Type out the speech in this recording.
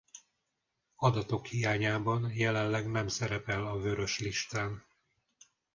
Adatok hiányában jelenleg nem szerepel a Vörös listán.